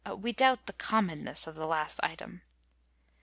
'^ (We doubt the commonness of the last item.)